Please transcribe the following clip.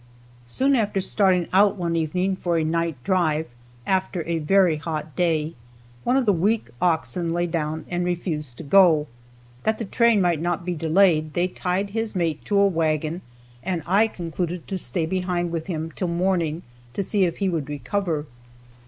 Soon after starting out one evening for a night drive, after a very hot day, one of the weak oxen lay down and refused to go. That the train might not be delayed, they tied his mate to a wagon, and I concluded to stay behind with him till morning to see if he would recover.